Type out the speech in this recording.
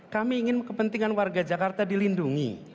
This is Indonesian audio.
kami ingin kepentingan warga jakarta dilindungi